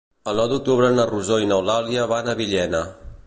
El nou d'octubre na Rosó i n'Eulàlia van a Villena.